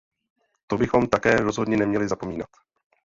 To bychom také rozhodně neměli zapomínat.